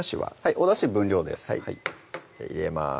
おだし分量です入れます